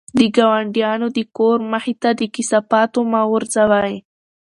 د ګاونډیانو د کور مخې ته د کثافاتو مه غورځوئ.